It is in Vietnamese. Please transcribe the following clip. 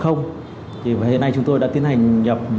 hiện nay chúng tôi đã tiến hành nhập tám trăm linh